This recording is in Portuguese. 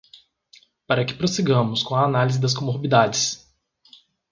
Para que prossigamos com a análise das comorbidades